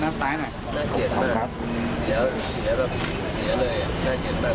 นั่งซ้ายหน่อยน่าเกลียดมากเสียเสียเสียเลยน่าเกลียดมาก